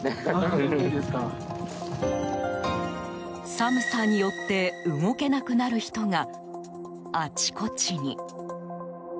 寒さによって動けなくなる人があちこちに。